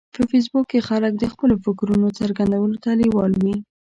په فېسبوک کې خلک د خپلو فکرونو څرګندولو ته لیوال وي